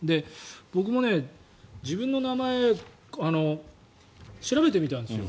僕も自分の名前調べてみたんですよ。